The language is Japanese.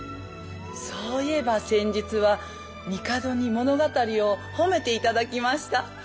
そういえば先日は帝に物語を褒めて頂きました。